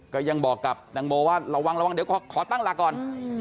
ก็ยังบอกกับตังโมว่าระวังระวังเดี๋ยวขอตั้งหลักก่อน